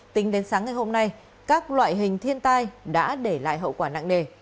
tính đến sáng ngày hôm nay các loại hình thiên tai đã để lại hậu quả nặng nề